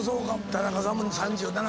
田中さんも３７歳。